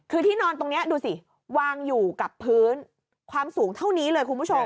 คือที่นอนตรงนี้ดูสิวางอยู่กับพื้นความสูงเท่านี้เลยคุณผู้ชม